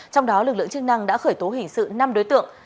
trong đó lực lượng chức năng đã khởi tố hình sự năm đối tượng